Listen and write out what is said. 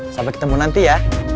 sampai ketemu nanti ya